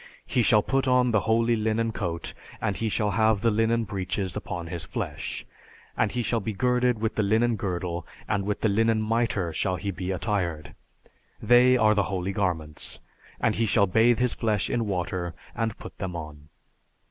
He shall put on the holy linen coat, and he shall have the linen breeches upon his flesh, and he shall be girded with the linen girdle, and with the linen mitre shall he be attired; they are the holy garments; and he shall bathe his flesh in water and put them on.